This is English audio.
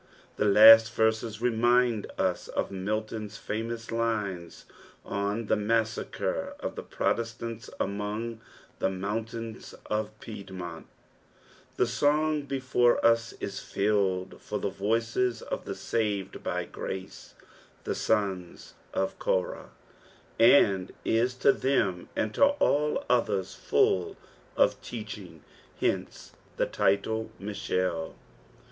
The last verses remind us (f MiUoiit lamous lines on the masaaert of the Frolealanls anton^ the mountains of Piedmont: The song before us is fitted for the voiees of the saved by graex, the eona of Korah, and •n to Oiem awl to all ethers fail of teaching, hence Oie title Mascliil.